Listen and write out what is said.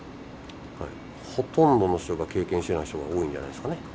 ほとんどの人が経験していない人が多いんじゃないですかね。